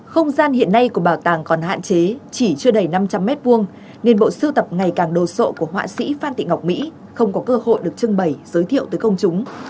không gian hiện nay của bảo tàng còn hạn chế chỉ chưa đầy năm trăm linh m hai nên bộ sưu tập ngày càng đồ sộ của họa sĩ phan thị ngọc mỹ không có cơ hội được trưng bày giới thiệu tới công chúng